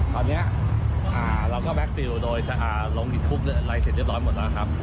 ตอนนี้เราก็แบคทีลโดยลงหินคลุกอะไรเสร็จเรียบร้อยหมดแล้วครับ